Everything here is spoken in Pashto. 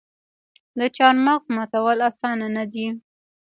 د چهارمغز ماتول اسانه نه دي.